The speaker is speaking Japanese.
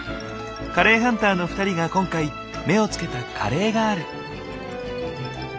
カレーハンターの２人が今回目をつけたカレーがある。